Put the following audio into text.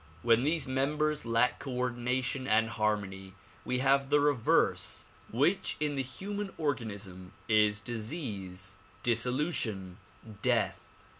When these members lack coordination and harmony we have the reverse which in the human organism is disease, dissolution, death.